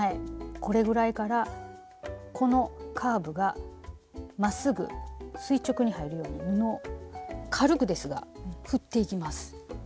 これぐらいからこのカーブがまっすぐ垂直に入るように布を軽くですが振っていきます。